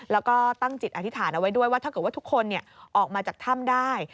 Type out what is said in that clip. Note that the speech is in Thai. แล้วก็ตั้งจิตอธิษฐานเอาไว้ด้วยว่าถ้าเกิดว่าทุกคนออกมาจากถ้ำได้